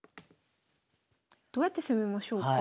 どうやって攻めましょうか？